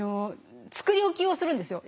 作り置きをするんですよ。